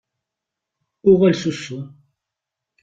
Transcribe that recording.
Uɣal s usu!